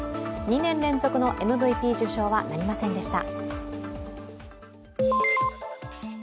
２年連続のＭＶＰ受賞はなりませんでした。